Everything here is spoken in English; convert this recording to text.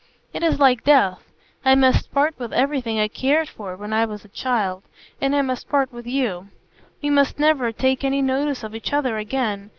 It is like death. I must part with everything I cared for when I was a child. And I must part with you; we must never take any notice of each other again.